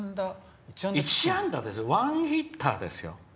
１安打ですよワンヒッターですよ。